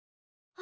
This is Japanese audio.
あ！